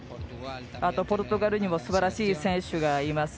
あと、ポルトガルにもすばらしい選手がいます。